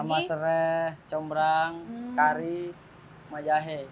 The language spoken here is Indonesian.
sama serai combrang kari maja hei